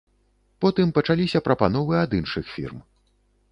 Потым пачаліся прапановы ад іншых фірм.